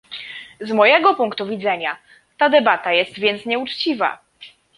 Z mojego punktu widzenia ta debata jest więc nieuczciwa